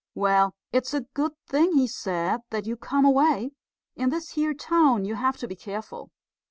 "Well, it's a good thing," he said, "that you come away. In this here town you have to be careful.